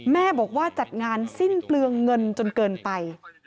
แม่บอกว่าจัดงานสิ้นเปลืองเงินจนเกินไป